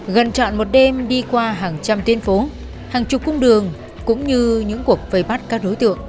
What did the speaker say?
gần trọn một đêm đi qua hàng trăm tuyên phố hàng chục cung đường cũng như những cuộc phây bắt các đối tượng